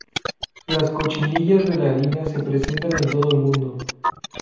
Las cochinillas de la harina se presentan en todo el mundo.